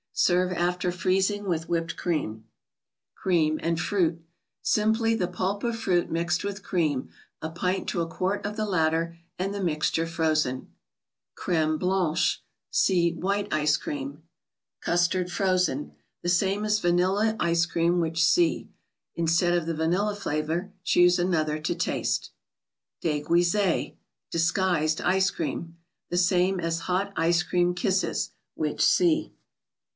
Serve after freezing, with Whipped Cream. Cream anti •Jfrutt. Sim P 1 y the p u, p of fruit mixed with cream, a pint to a quart of the latter, and the mixture frozen. Creme 'Blanche. (See White Ice Creami) Cwjstarii, fro?en. same " v " nilla C *■' f wr/m \x7n1rn qpp In. stead of the vanilla flavor, choose another to taste. J^eguisie (?E>teguteeti) 3ice*Cream. The same as Hot Ice Cream Kisses, which see.